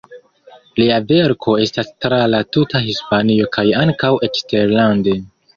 Lia verko estas tra la tuta Hispanio kaj ankaŭ eksterlande.